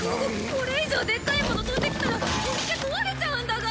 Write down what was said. これ以上でっかいもの飛んできたらお店壊れちゃうんだが！？